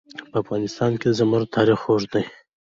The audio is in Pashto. په افغانستان کې د زمرد تاریخ اوږد دی.